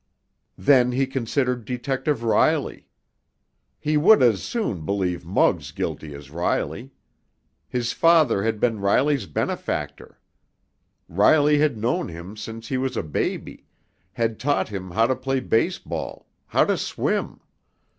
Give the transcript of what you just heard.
Then he considered Detective Riley. He would as soon believe Muggs guilty as Riley. His father had been Riley's benefactor. Riley had known him since he was a baby, had taught him how to play baseball, how to swim.